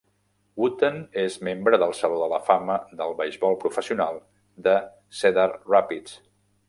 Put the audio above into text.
Wooten és membre del saló de la fama del beisbol professional de Cedar Rapids.